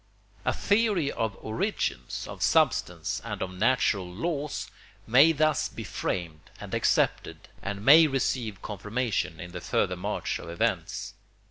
A theory of origins, of substance, and of natural laws may thus be framed and accepted, and may receive confirmation in the further march of events.